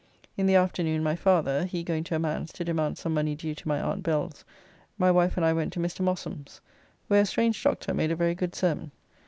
In the afternoon my father, he going to a man's to demand some money due to my Aunt Bells my wife and I went to Mr. Mossum's, where a strange doctor made a very good sermon.